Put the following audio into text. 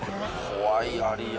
怖いアリや。